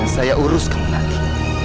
saya uruskan nalih